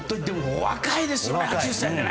お若いですよね、８０歳で。